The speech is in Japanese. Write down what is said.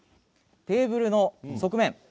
テーブルの側面